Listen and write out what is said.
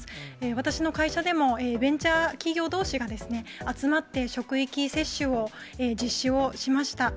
私の会社でもベンチャー企業どうしが集まって、職域接種を実施をしました。